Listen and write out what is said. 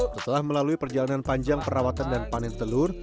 setelah melalui perjalanan panjang perawatan dan panen telur